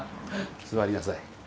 座りなさい。